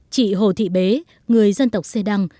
chị hồ thị bế người dân tộc xê đăng